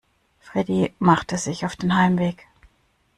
Freddie machte sich auf dem Heimweg.